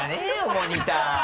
モニター！